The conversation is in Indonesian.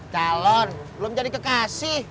calon belum jadi kekasih